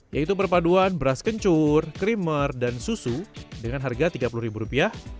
yaitu perpaduan beras kencur krimer dan susu dengan harga tiga puluh rupiah